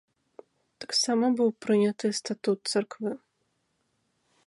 Таксама быў прыняты статут царквы.